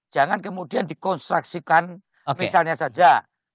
jangan kemudian dikonstruksikan misalnya saja